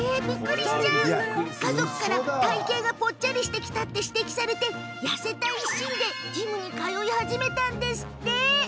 家族から体型がぽっちゃりしてきたと指摘されて痩せたい一心でジムに通い始めたんですって。